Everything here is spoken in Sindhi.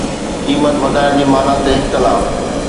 قيمت وڌائڻ جي معني تي اختلاف